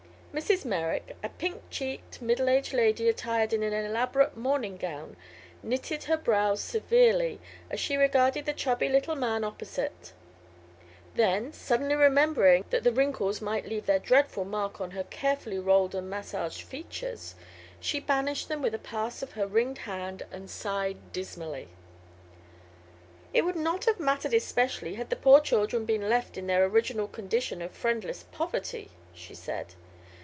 Mrs. Merrick, a pink cheeked middle aged lady attired in an elaborate morning gown, knitted her brows severely as she regarded the chubby little man opposite; then, suddenly remembering that the wrinkles might leave their dreadful mark on her carefully rolled and massaged features, she banished them with a pass of her ringed hand and sighed dismally. "It would not have mattered especially had the poor children been left in their original condition of friendless poverty," she said.